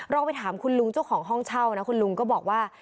เราไปถามคุณลุงเจ้าของห้องเช่านะคุณลุงก็บอกว่า